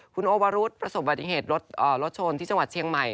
คุณโอวรุษประสบบัติเหตุรถชนที่จังหวัดเชียงใหม่